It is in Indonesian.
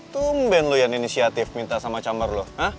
tumben lo yan inisiatif minta sama camer lo